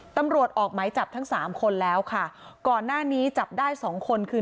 ตำรวจออกหมายจับทั้งสามคนแล้วค่ะก่อนหน้านี้จับได้สองคนคือ